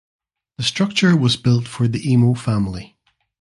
The structure was built for the Emo family.